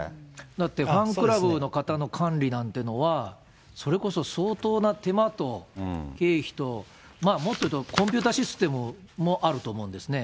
だって、ファンクラブの方の管理なんていうのは、それこそ相当な手間と経費と、もっというとコンピューターシステムもあると思うんですね。